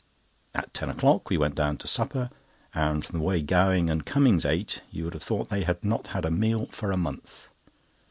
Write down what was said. At ten o'clock we went down to supper, and from the way Gowing and Cummings ate you would have thought they had not had a meal for a month.